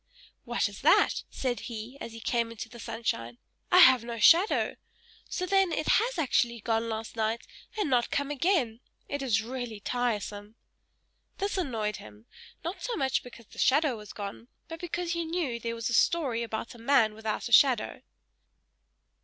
"What is that?" said he, as he came out into the sunshine. "I have no shadow! So then, it has actually gone last night, and not come again. It is really tiresome!" This annoyed him: not so much because the shadow was gone, but because he knew there was a story about a man without a shadow.